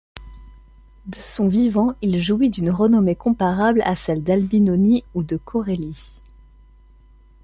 De son vivant, il jouit d'une renommée comparable à celles d'Albinoni ou de Corelli.